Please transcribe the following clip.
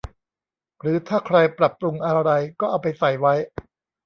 หรือถ้าใครปรับปรุงอะไร ก็เอาไปใส่ไว้